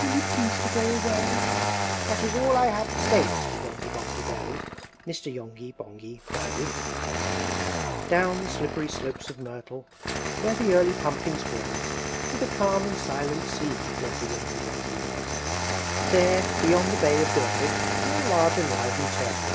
Will you please to go away? That is all I have to say, Mr. Yongby Bonghy Bò! Mr. Yonghy Bonghy Bò!" VIII. Down the slippery slopes of Myrtle, Where the early pumpkins blow, To the calm and silent sea Fled the Yonghy Bonghy Bò. There, beyond the Bay of Gurtle, Lay a large and lively Turtle.